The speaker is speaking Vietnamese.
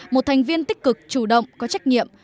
một thành viên tích cực chủ động có trách nhiệm